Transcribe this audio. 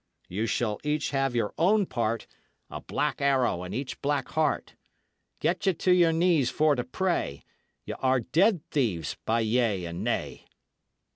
Ye shull each have your own part, A blak arrow in each blak heart. Get ye to your knees for to pray: Ye are ded theeves, by yea and nay!